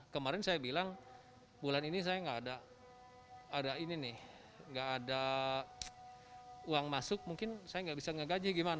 kemarin saya bilang bulan ini saya tidak ada uang masuk mungkin saya tidak bisa gaji